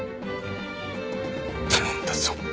頼んだぞ